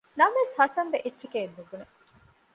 ނަމަވެސް ހަސަންބެ އެއްޗެކޭނުބުނެ